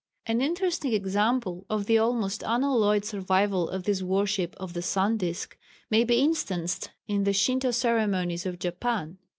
An interesting example of the almost unalloyed survival of this worship of the sun disk may be instanced in the Shinto ceremonies of Japan.